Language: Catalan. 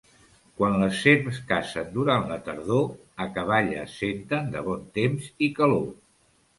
Quan les serps cacen durant la tardor, acaballes senten de bon temps i calor.